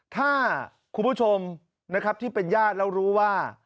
ถ้าคุณผู้ชมนะครับที่เป็นญาติแล้วรู้ว่า